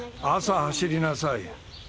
朝走りなさい。